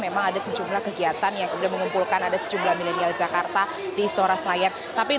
pak ini sudah masuk ke tujuh ya kota yes